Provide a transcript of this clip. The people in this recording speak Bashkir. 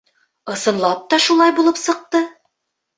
Ысынлап та шулай булып сыҡты.